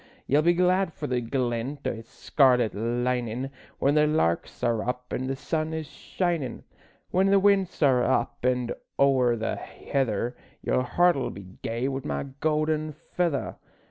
Ye'll be glad for the glint o' its scarlet linin' When the larks are up an' the sun is shinin'; When the winds are up an' ower the heather Your heart'll be gay wi' my gowden feather.